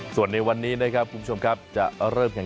ส่วนในวันนี้นะครับคุณผู้ชมครับจะเริ่มแข่ง